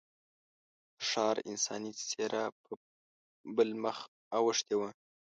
د ښار انساني څېره په بل مخ اوښتې وه.